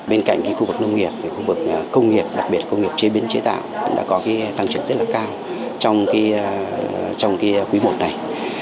bên cạnh cái khu vực nông nghiệp khu vực công nghiệp đặc biệt công nghiệp chế biến chế tạo đã có cái tăng trưởng rất là cao trong cái quý i này